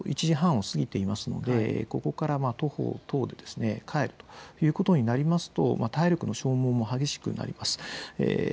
１時半を過ぎていますのでここから徒歩などで帰るということになりますと体力の消耗も激しくなります。